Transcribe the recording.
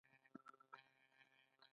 فابریکې به چلېږي؟